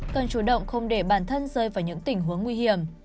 cần chủ động không để bản thân rơi vào những tình huống nguy hiểm